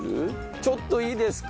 ちょっといいですか？